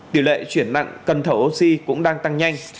điều lệ chuyển nặng cần thẩu oxy cũng đang tăng nhanh